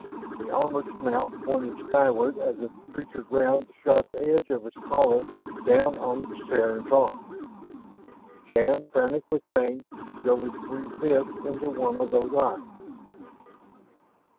The armored snout pointed skyward as the creature ground the sharp edge of its collar down on the Terran's arm. Shann, frantic with pain, drove his free fist into one of those eyes.